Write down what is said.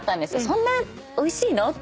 そんなおいしいの？って。